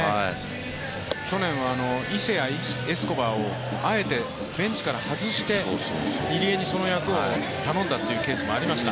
去年は伊勢やエスコバーをあえてベンチから外して、入江にその役を頼んだというケースもありました。